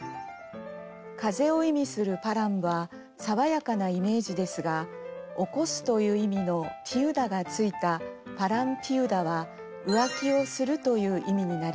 風を意味するパラムは爽やかなイメージですが起こすという意味のピウダが付いたパラムピウダは「浮気をする」という意味になります。